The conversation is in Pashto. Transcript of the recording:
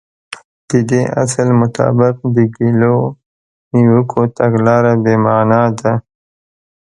د دې اصل مطابق د ګيلو او نيوکو تګلاره بې معنا ده.